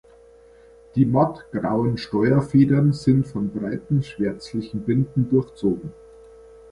Die matt grauen Steuerfedern sind von breiten schwärzlichen Binden durchzogen.